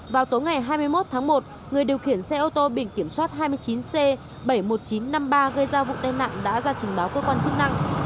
vào tối ngày hai mươi một tháng một người điều khiển xe ô tô biển kiểm soát hai mươi chín c bảy mươi một nghìn chín trăm năm mươi ba gây ra vụ tai nạn đã ra trình báo cơ quan chức năng